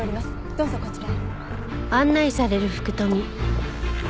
どうぞこちらへ。